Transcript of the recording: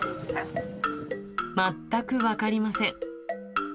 全く分かりません。